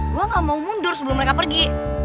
gue gak mau mundur sebelum mereka pergi